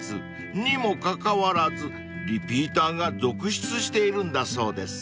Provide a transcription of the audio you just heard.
［にもかかわらずリピーターが続出しているんだそうです］